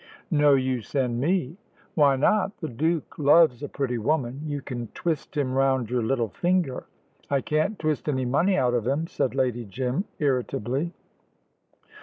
"No; you send me." "Why not? The Duke loves a pretty woman. You can twist him round your little finger." "I can't twist any money out of him," said Lady Jim, irritably.